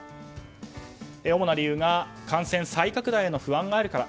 主な理由が感染再拡大への不安があるから。